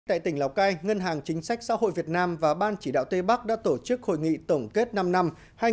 tại tỉnh lào cai ngân hàng chính sách xã hội việt nam và ban chỉ đạo tây bắc đã tổ chức hội nghị tổng kết năm năm hai nghìn một mươi hai nghìn hai mươi